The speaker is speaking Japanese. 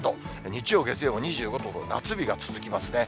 日曜、月曜も２５度、夏日が続きますね。